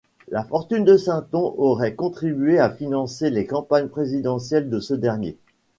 La fortune de Sinton aurait contribué à financer les campagnes présidentielles de ce dernier.